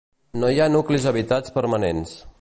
No hi ha nuclis habitats permanents.